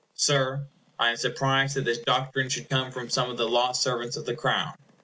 Sir, I am surprised that this doctrine should come from some of the law servants of the Crown.